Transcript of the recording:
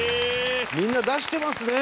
みんな出してますね！